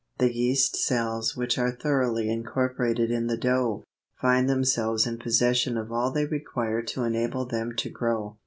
The yeast cells which are thoroughly incorporated in the dough, find themselves in possession of all they require to enable them to grow.